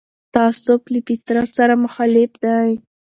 تعصب له فطرت سره مخالف دی